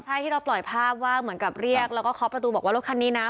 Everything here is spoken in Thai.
ใช่ที่เราปล่อยภาพว่าเหมือนกับเรียกแล้วก็เคาะประตูบอกว่ารถคันนี้นะ